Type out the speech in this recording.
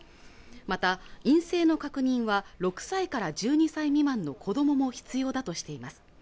また陰性の確認は６歳から１２歳未満の子どもも必要だとしています